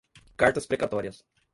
cartas precatórias